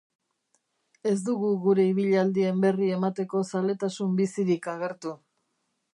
Ez dugu gure ibilaldien berri emateko zaletasun bizirik agertu.